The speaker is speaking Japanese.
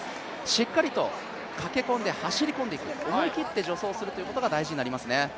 しっかりと駆け込んで、走り込んでいく思い切って助走するということが大事になりますね。